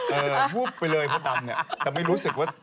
ไหมฮู๊บไปเลยพระดำเนี่ยแต่ไม่รู้สึกว่า